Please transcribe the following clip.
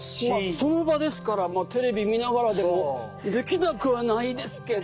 その場ですからテレビ見ながらでもできなくはないですけど。